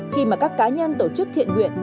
khi mà các cá nhân tổ chức thiện nguyện